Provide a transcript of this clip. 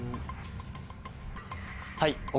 はい。